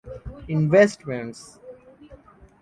Investments.